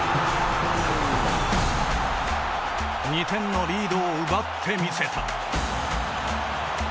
２点のリードを奪ってみせた。